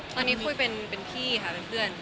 ตอนนี้คุยเป็นพี่ค่ะเป็นเพื่อน